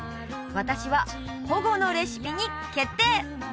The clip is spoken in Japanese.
私は保護のレシピに決定！